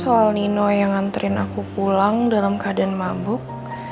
soal nino yang nganterin aku pulang dalam keadaan mabuk